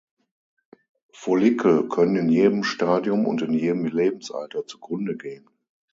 Follikel können in jedem Stadium und in jedem Lebensalter zugrunde gehen.